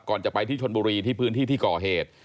จะไปที่ชนบุรีที่พื้นที่ที่ก่อเหตุ